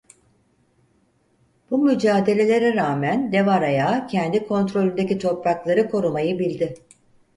Bu mücadelelere rağmen Deva Raya kendi kontrolündeki toprakları korumayı bildi.